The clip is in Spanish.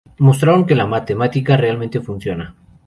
Mostraron que la matemática realmente funciona.